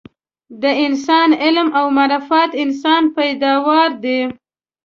د انسان علم او معرفت انسان پیداوار دي